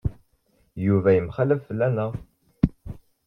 Yuba yemxallaf fell-aneɣ.